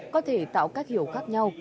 có thể tạo các hiểu khác nhau